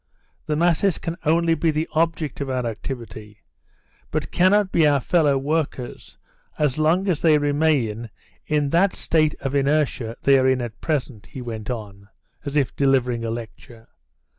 The masses can only be the object of our activity, but cannot be our fellow workers as long as they remain in that state of inertia they are in at present," he went on, as if delivering a lecture.